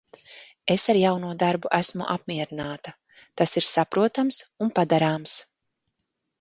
Es ar jauno darbu esmu apmierināta, tas ir saprotams un padarāms.